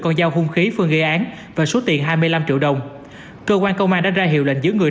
con dao hung khí phương gây án và số tiền hai mươi năm triệu đồng cơ quan công an đã ra hiệu lệnh giữ người